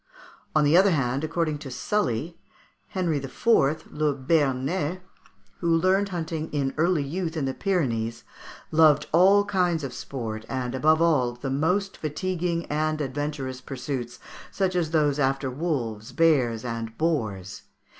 On the other hand, according to Sully, Henry IV., le Béarnais, who learned hunting in early youth in the Pyrenees, "loved all kinds of sport, and, above all, the most fatiguing and adventurous pursuits, such as those after wolves, bears, and boars."